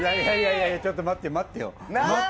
いやいやちょっと待ってよ待ってよ待ってよ。